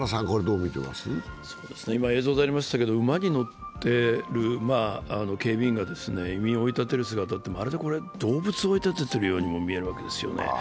今、映像でありましたが馬に乗っている警備員が移民を追い立てる姿は、まるで動物を追い立てているようにも見えるんですよね。